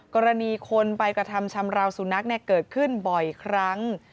กรณีคนไปกระทำชำราวสุนัขเกิดขึ้นบ่อยครั้ง